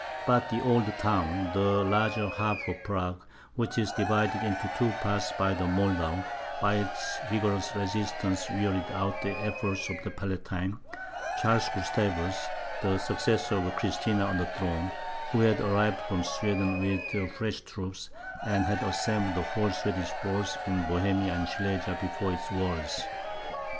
But the old town, the larger half of Prague, which is divided into two parts by the Moldau, by its vigorous resistance wearied out the efforts of the Palatine, Charles Gustavus, the successor of Christina on the throne, who had arrived from Sweden with fresh troops, and had assembled the whole Swedish force in Bohemia and Silesia before its walls.